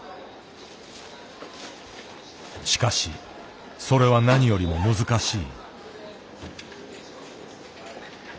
しかしそれは何よりも難しい。